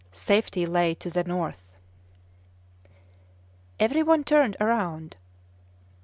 "Safety lay to the north." Every one turned round.